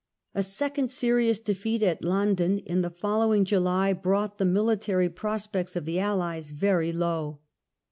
A second serious defeat at linden in the following July brought the military pros pects of the Allies very low.